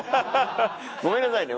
ごめんなさいね。